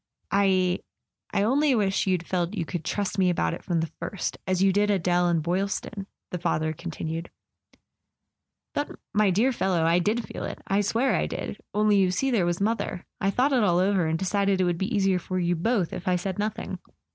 "I—I only wish you'd felt you could trust me about it from the first, as you did Adele and Boylston," the father continued. " But, my dear fellow, I did feel it! I swear I did! Only, you see, there was mother. I thought it all over, and decided it would be easier for you both if I said nothing.